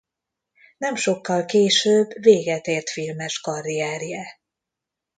Nem sokkal később véget ért filmes karrierje.